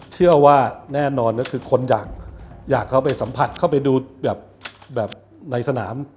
เชื่อว่าแน่นอนก็คือคนอยากเข้าไปสัมผัสเข้าไปดูแบบในสนาม